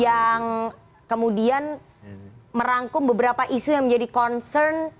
yang kemudian merangkum beberapa isu yang menjadi concern